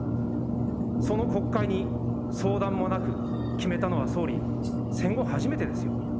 その国会に相談もなく、決めたのは総理、戦後初めてですよ。